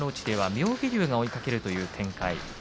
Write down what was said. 妙義龍が追いかけるという展開。